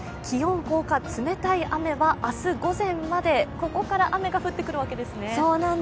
気温降下、冷たい雨は明日午前までここから雨が降ってくるわけですね。